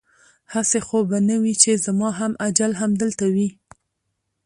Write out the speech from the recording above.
هسې خو به نه وي چې زما هم اجل همدلته وي؟